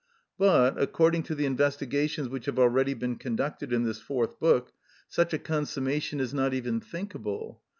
But, according to the investigations which have already been conducted in this Fourth Book, such a consummation is not even thinkable.